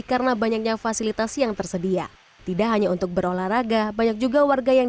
karena banyaknya fasilitas yang tersedia tidak hanya untuk berolahraga banyak juga warga yang